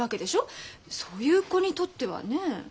そういう子にとってはね。